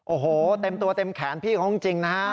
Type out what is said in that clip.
โอ้โหเต็มตัวเต็มแขนพี่เขาจริงนะฮะ